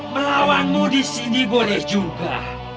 melawanmu disini boleh juga